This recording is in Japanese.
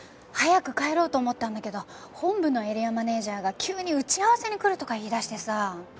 早く帰ろうと思ったんだけど本部のエリアマネージャーが急に打ち合わせに来るとか言いだしてさ。